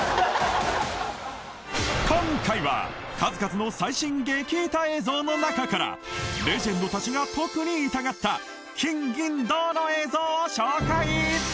今回は数々の最新激イタ映像の中からレジェンドたちが特に痛がった金銀銅の映像を紹介